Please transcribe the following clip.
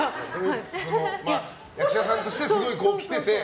役者さんとして、すごいきてて。